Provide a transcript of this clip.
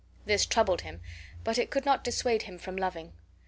This troubled him, but it could not dissuade him from loving.